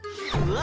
わ！